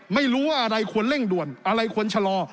ไม่รู้ว่าอะไรควรเร่งด่วนอะไรควรชะลอ